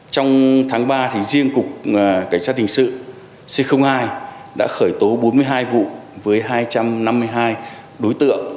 trong tháng ba riêng cục cảnh sát hình sự c hai đã khởi tố bốn mươi hai vụ với hai trăm năm mươi hai đối tượng